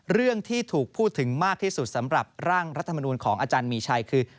เรื่องที่ถูกพูดถึงมากที่สุดสำหรับร่างรัฐมนูลของอาจารย์มีชัยคือ